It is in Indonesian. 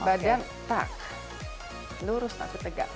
badan tak lurus tapi tegas